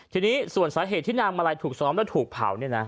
ทีนี้ส่วนสาเหตุที่นางมาลัยถูกซ้อมและถูกเผา